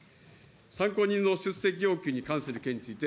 参考人の出席要件に関する件について。